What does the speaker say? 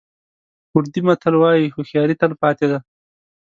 کوردي متل وایي هوښیاري تل پاتې ده.